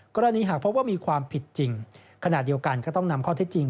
หากพบว่ามีความผิดจริงขณะเดียวกันก็ต้องนำข้อเท็จจริง